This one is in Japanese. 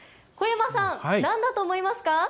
小山さん、なんだと思いますか。